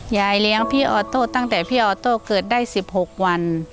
ยายเลี้ยงพี่ออโต้ตั้งแต่พี่ออโต้เกิดได้๑๖วัน